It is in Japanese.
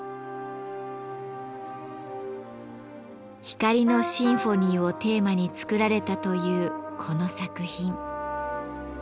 「光のシンフォニー」をテーマに作られたというこの作品。